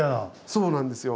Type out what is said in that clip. そうなんですよ